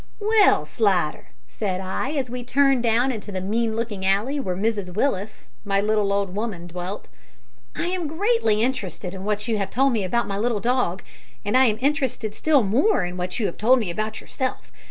"Well, Slidder," said I, as we turned down into the mean looking alley where Mrs Willis, my little old woman, dwelt, "I am greatly interested in what you have told me about my little dog, and I am interested still more in what you have told me about yourself.